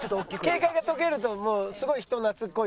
警戒が解けるともうすごい人懐っこいですけどね。